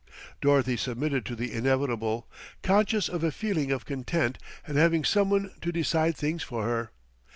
Dorothy submitted to the inevitable, conscious of a feeling of content at having someone to decide things for her.